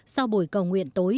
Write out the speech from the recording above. sau buổi cầu nguyện tối